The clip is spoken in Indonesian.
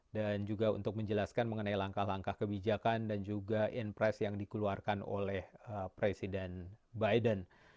dan juga untuk menjelaskan mengenai langkah langkah kebijakan dan juga in press yang dikeluarkan oleh presiden biden